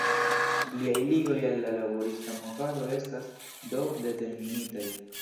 Liaj ligoj al la laborista movado estas, do, determinitaj.